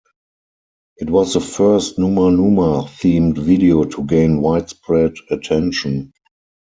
It was the first Numa Numa-themed video to gain widespread attention.